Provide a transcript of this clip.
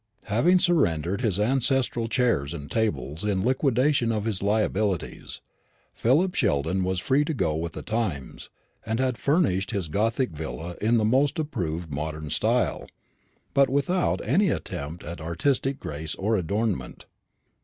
Having surrendered his ancestral chairs and tables in liquidation of his liabilities, Philip Sheldon was free to go with the times, and had furnished his gothic villa in the most approved modern style, but without any attempt at artistic grace or adornment.